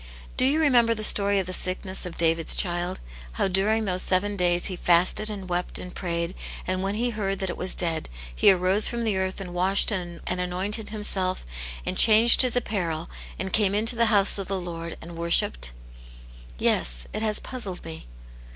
Do you remember the story of the sickness of David's child ; how during those seven days he fasted and wept and prayed, and when he heard that it was dead, he arose from the earth, and washed and anointed himself and changed his apparel, and came into the house of the Lord, and worshipped ?"" Yes, and it has puzzled me."